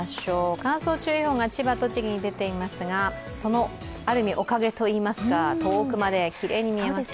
乾燥注意報が千葉、栃木に出ていますがそのおかげといいますか遠くまできれいに見えます。